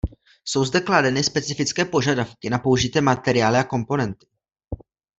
Jsou zde kladeny specifické požadavky na použité materiály a komponenty.